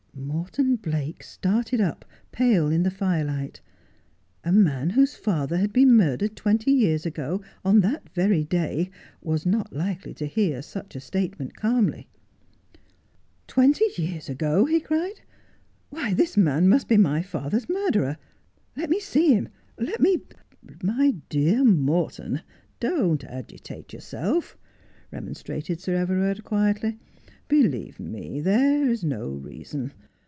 Morton Blake started up, pale in the firelight. A man whose father had been murdered twenty years ago, on that very day, was not likely to hear such a statement calmly. ' Twent v years ago ?' he cried. ' Why this man must be my father's mi irderer. Let me see him — let me ' 'My deac Morton, don't agitate yourself,' remonstrated Sir Everard quietly. ' Believe me, there is no reason.